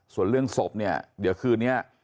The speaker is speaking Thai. ส่วนเรื่องศพเนี่ยเดี๋ยวคืนนี้